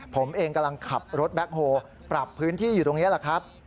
ผมเองกำลังขับรถแบ็คโฮลปรับพื้นที่อยู่ตรงนี้แหละครับ